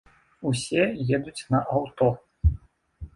Усе едуць на аўто.